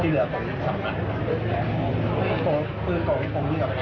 ที่โด่อย่างคมนั้นแล้วปลุกก็ถูกยิงอยู่ขด